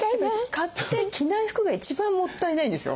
買って着ない服が一番もったいないんですよ。